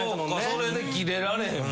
それでキレられへん。